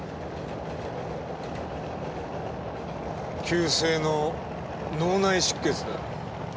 急性の脳内出血だ。